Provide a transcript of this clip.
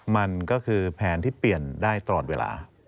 มันก็คือแผนที่เปลี่ยนได้ตลอดเวลา